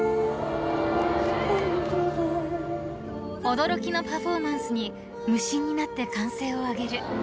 ［驚きのパフォーマンスに無心になって歓声を上げる］